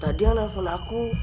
tadi yang telepon aku